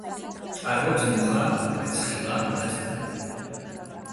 ჭარბობს მუხა, რცხილა და წიფელი.